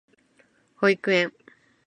保育園